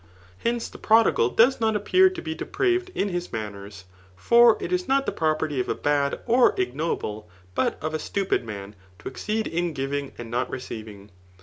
Hence, the prodigal does not appear to be depraved in his manners ; for ic ia not the property of a bad, or ignoble, but of a stupid man, to exceed in giving and not receiving.